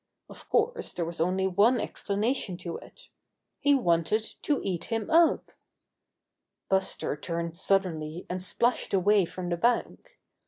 Of course, there was only one expla nation to it. He wanted to eat him up. Buster turned suddenly and splashed away from the bank.